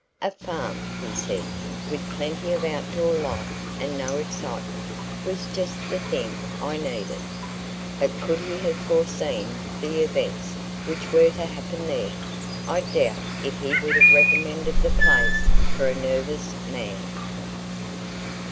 A farm, he said, with plenty of outdoor life and no excitement, was just the thing I needed. But could he have foreseen the events which were to happen there, I doubt if he would have recommended the place for a nervous man.